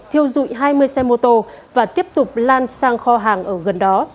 thiêu dụi hai mươi xe mô tô và tiếp tục lan sang kho hàng ở gần đó